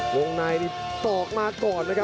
วงในนี่ศอกมาก่อนนะครับ